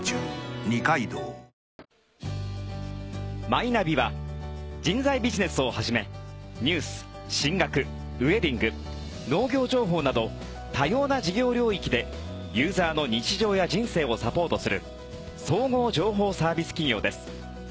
マイナビは人材ビジネスをはじめニュース、進学ウェディング、農業情報など多様な事業領域でユーザーの日常や人生をサポートする総合情報サービス企業です。